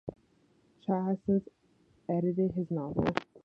Cha has since edited his novel.